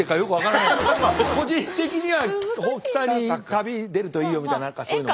個人的には北に旅に出るといいよみたいな何かそういうの。